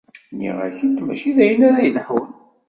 Nniɣ-ak-d mačči d ayen ara yelḥun.